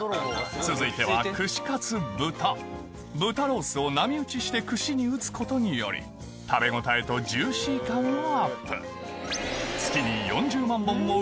続いては豚ロースを波打ちして串に打つことにより食べ応えとジューシー感をアップ